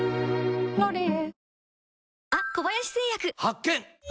「ロリエ」